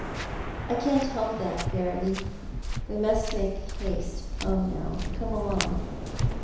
" I can't help that, Ferriby. We must make haste home Eow; come along."